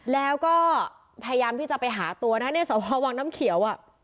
แล้วก็พยายามที่จะไปหาตัวนะสาวพาวงค์น้ำเขียว